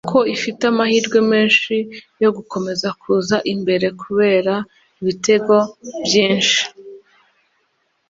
bigaragara ko ifite amahirwe menshi yo gukomeza kuza imbere kubera ibitego byinshi